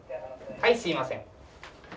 はいすいません。